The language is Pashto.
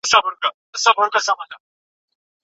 د نوي کال په پیل کي پلانونه جوړېږي.